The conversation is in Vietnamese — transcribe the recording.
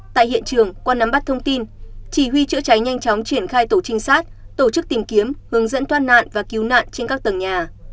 tại hiện trường qua nắm bắt thông tin chỉ huy chữa cháy nhanh chóng triển khai tổ trinh sát tổ chức tìm kiếm hướng dẫn thoát nạn và cứu nạn trên các tầng nhà